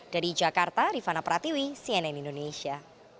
dari jakarta rifana pratiwi cnn indonesia